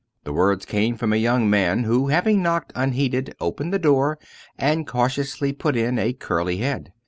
The words came from a young man who, having knocked unheeded, opened the door, and cautiously put in a curly head.